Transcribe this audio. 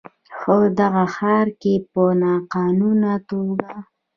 په دغه ښار کې په ناقانونه توګه